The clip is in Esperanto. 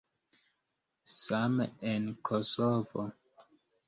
Same en Kosovo.